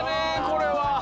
これは。